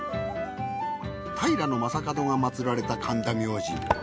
平将門が祭られた神田明神。